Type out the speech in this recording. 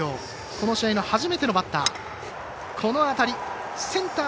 この試合の初めてのバッター。